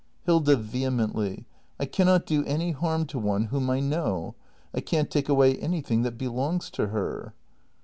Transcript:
Hilda. [Vehemently.] I cannot do any harm to one whom I know! I can't take away anything that belongs to her.